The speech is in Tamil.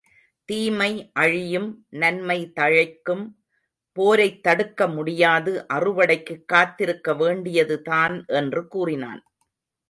தீமை அழியும், நன்மை தழைக்கும் போரைத் தடுக்க முடியாது அறுவடைக்குக் காத்திருக்க வேண்டியது தான் என்று கூறினான்.